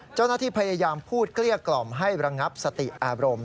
เจ้าหน้าที่พยายามพูดเกลี้ยกล่อมให้ระงับสติอารมณ์